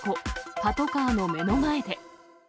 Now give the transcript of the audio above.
パトカーの目の前で。